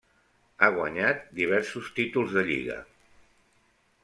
Ha guanyat diversos títols de lliga.